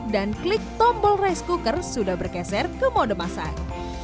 dan klik tombol rice cooker sudah berkeser ke mode masak